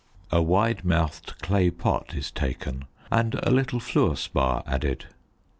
A wide mouthed clay pot is taken and a little fluor spar added.